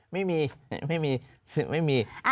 ไม่มีไม่มีไม่มี